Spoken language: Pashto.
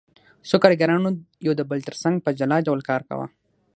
څو کارګرانو یو د بل ترڅنګ په جلا ډول کار کاوه